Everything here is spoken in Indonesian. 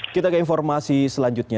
kita ke informasi selanjutnya